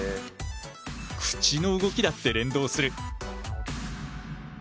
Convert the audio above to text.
口の動きだって連動する。